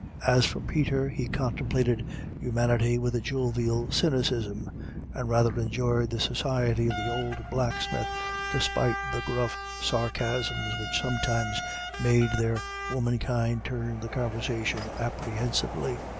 As for Peter, he contemplated humanity with a jovial cynicism, and rather enjoyed the society of the old blacksmith, despite the gruff sarcasms which sometimes made their womenkind turn the conversation apprehensively.